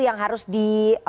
yang harus di